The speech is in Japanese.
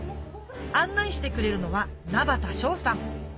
案内してくれるのは名畑翔さん